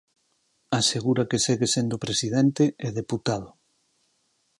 Asegura que segue sendo presidente e deputado.